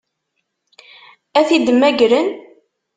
Ad t-id-mmagren?